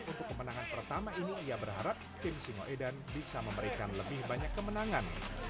untuk kemenangan pertama ini ia berharap tim singoedan bisa memberikan lebih banyak kemenangan